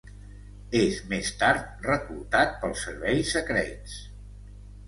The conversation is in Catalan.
És més tard reclutat pels serveis secrets.